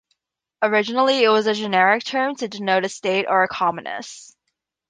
Originally it was a generic term to denote a state or a commonness.